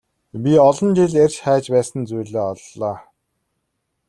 Би олон жил эрж хайж байсан зүйлээ оллоо.